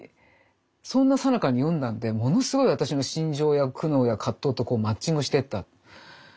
そんなさなかに読んだんでものすごい私の心情や苦悩や葛藤とマッチングしてった。